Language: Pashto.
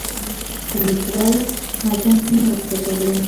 پانکریاس هضم کې مرسته کوي.